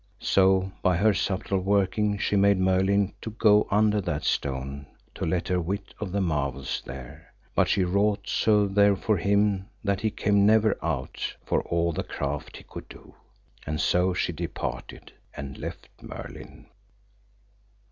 So by her subtle working she made Merlin to go under that stone to let her wit of the marvels there; but she wrought so there for him that he came never out for all the craft he could do. And so she departed and left Merlin.